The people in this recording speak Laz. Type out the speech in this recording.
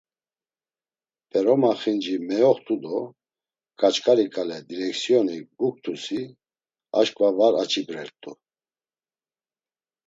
P̌eroma xinci meoxt̆u do Kaçkari ǩale direksyoni guktusi aşǩva var aç̌ibrert̆u.